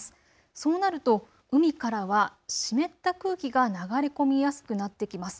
そうなると海からは湿った空気が流れ込みやすくなってきます。